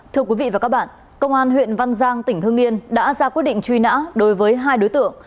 thưa quý vị và các bạn công an huyện văn giang tỉnh hương yên đã ra quyết định truy nã đối với hai đối tượng